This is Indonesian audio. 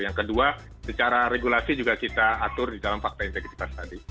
yang kedua secara regulasi juga kita atur di dalam fakta integritas tadi